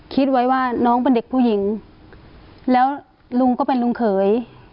คิดไว้ว่าน้องเป็นเด็กผู้หญิงแล้วลุงก็เป็นลุงเขย